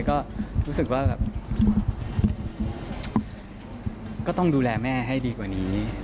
ก็รู้สึกว่าแบบก็ต้องดูแลแม่ให้ดีกว่านี้